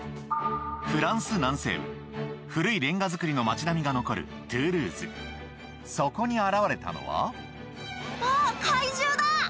フランス南西部古いレンガ造りの町並みが残るトゥールーズそこに現れたのはん？